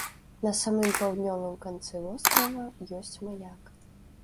На самым паўднёвым канцы вострава ёсць маяк.